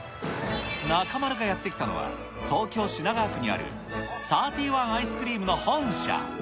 中丸がやって来たのは、東京・品川区にあるサーティワンアイスクリームの本社。